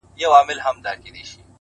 گل وي ياران وي او سايه د غرمې،